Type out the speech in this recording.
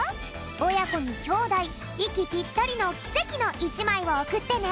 おやこにきょうだいいきぴったりのきせきの１まいをおくってね！